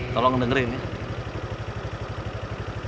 tolong dengerin ya